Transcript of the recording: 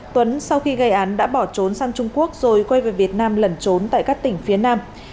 tuấn sau khi gây án đã bỏ trốn sang trung quốc rồi quay về việt nam lẩn trốn tại các tỉnh phía nam